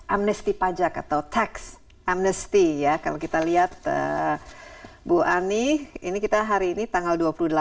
amnesty pajak atau tax amnesty ya kalau kita lihat bu ani ini kita hari ini tanggal dua puluh delapan